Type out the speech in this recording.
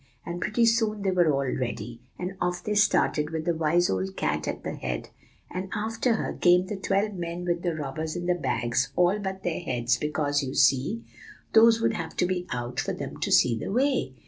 And pretty soon they were all ready; and off they started, with the wise old cat at the head; and after her came the twelve men with the robbers in the bags, all but their heads, because, you see, those would have to be out, for them to see the way.